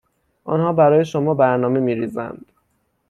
آنها برای شما برنامه میریزند